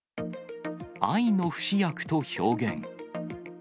愛の不死薬と表現。